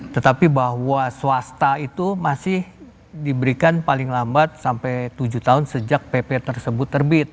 tetapi bahwa swasta itu masih diberikan paling lambat sampai tujuh tahun sejak pp tersebut terbit